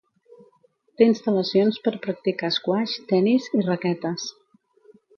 Té instal·lacions per practicar esquaix, tenis i raquetes.